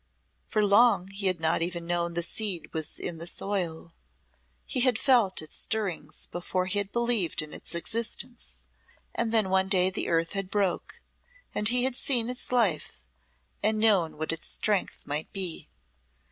For long he had not even known the seed was in the soil; he had felt its stirrings before he had believed in its existence, and then one day the earth had broke and he had seen its life and known what its strength might be.